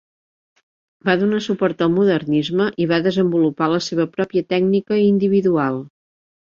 Va donar suport al modernisme i va desenvolupar la seva pròpia tècnica individual.